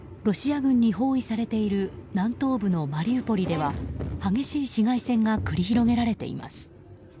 ロシア軍に包囲されている南東部のマリウポリでは激しい市街戦が繰り広げられています。